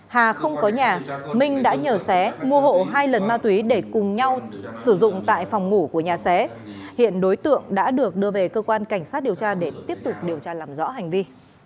hà không có nhà minh đã nhờ xé mua hộ hai lần ma túy để cùng nhau sử dụng tại phòng ngủ của nhà xé hiện đối tượng đã được đưa về cơ quan cảnh sát điều tra để tiếp tục điều tra làm rõ hành vi